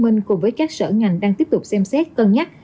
hiện ubnd tp hcm cùng với các sở ngành đang tiếp tục xem xét cân nhắc